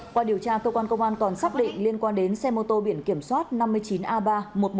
qua điều tra cơ quan công an còn xác định liên quan đến xe mô tô biển kiểm soát năm mươi chín a ba một mươi một nghìn năm trăm tám mươi tám